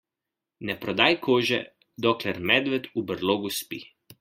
Ne prodaj kože, dokler medved v brlogu spi.